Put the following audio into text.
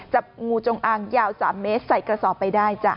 จับงูจงอางยาว๓เมตรใส่กระสอบไปได้จ้ะ